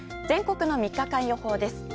全国の３日間予報です。